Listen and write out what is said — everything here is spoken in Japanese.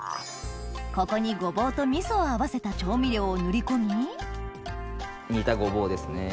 ここにごぼうと味噌を合わせた調味料を塗り込み煮たごぼうですね。